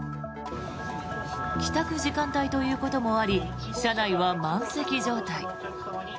帰宅時間帯ということもあり車内は満席状態。